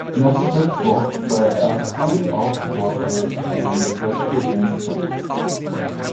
Narcissus walked by a pool of water and decided to drink some.